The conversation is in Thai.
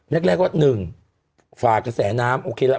แรกว่า๑ฝากกระแสน้ำโอเคละ